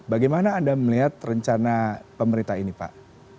bagaimana anda melihat rencana pemerintah ini pak